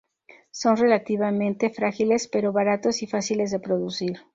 Son relativamente frágiles pero baratos y fáciles de producir.